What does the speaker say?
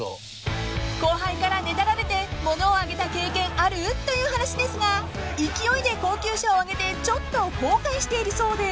［後輩からねだられてものをあげた経験ある？という話ですが勢いで高級車をあげてちょっと後悔しているそうで］